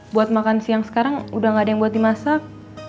buat makan siang sekarang udah gak ada yang buat dimasak